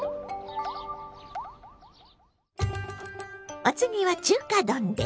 お次は中華丼です。